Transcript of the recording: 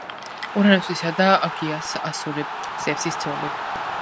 ურანოსისა და გეას ასული, ზევსის ცოლი.